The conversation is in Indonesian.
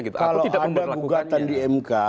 kalau ada gugatan di mk